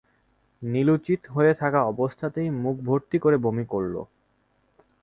নীলু চিৎ হয়ে থাকা অবস্থাতেই মুখ ভর্তি করে বমি করল।